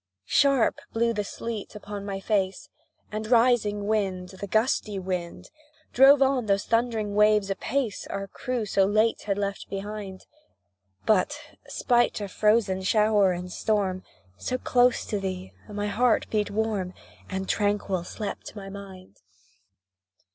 Sharp blew the sleet upon my face, And, rising wild, the gusty wind Drove on those thundering waves apace, Our crew so late had left behind; But, spite of frozen shower and storm, So close to thee, my heart beat warm, And tranquil slept my mind.